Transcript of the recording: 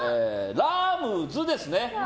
ラムズですね。